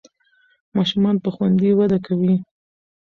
ماشومان به خوندي وده وکړي.